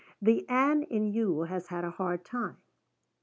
The Ann in you has had a hard time."